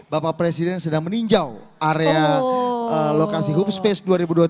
bapak presiden sedang meninjau area lokasi hub space dua ribu dua puluh tiga